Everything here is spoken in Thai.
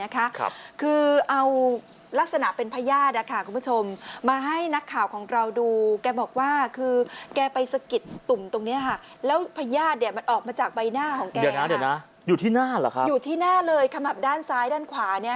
คือเอาลักษณะเป็นพยา